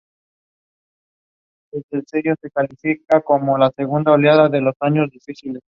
La relación aún no se ha confirmado en mamíferos.